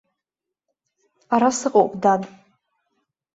Ара сыҟоуп, дад.